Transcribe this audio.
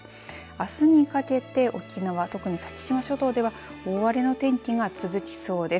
あすにかけて沖縄特に先島諸島では大荒れの天気が続きそうです。